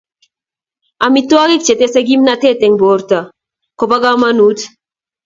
amitwagik chetese kimnatet eng' borto kobo kamangut